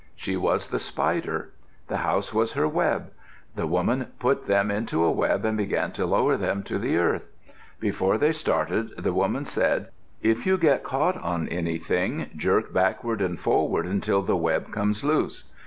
She was the spider. The house was her web. The woman put them into a web and began to lower them to the earth. Before they started, the woman said, "If you get caught on anything, jerk backward and forward until the web comes loose."